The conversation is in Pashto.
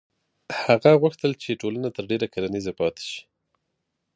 هغه غوښتل چې ټولنه تر ډېره کرنیزه پاتې شي.